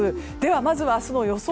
まずは明日の予想